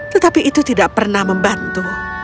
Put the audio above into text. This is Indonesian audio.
tetapi itu tidak pernah membantu